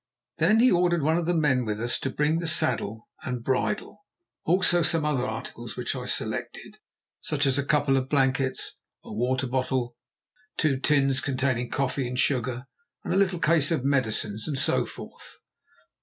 Then he ordered one of the men with us to bring the saddle and bridle, also some other articles which I selected, such as a couple of blankets, a water bottle, two tins containing coffee and sugar, a little case of medicines, and so forth.